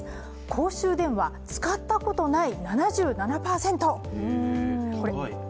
公衆電話、使ったことない７７％。